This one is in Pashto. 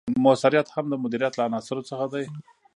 مؤثریت هم د مدیریت له عناصرو څخه دی.